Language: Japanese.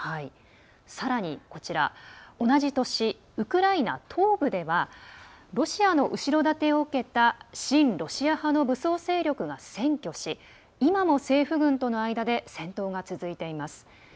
さらに、同じ年ウクライナ東部ではロシアの後ろ盾を受けた親ロシア派の武装勢力が占拠し今も政府軍との間で戦闘が続いています。